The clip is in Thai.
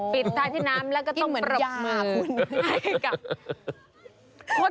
ปิดท่าที่น้ำแล้วก็ต้องปรบมือให้กับกินเหมือนยาคุณ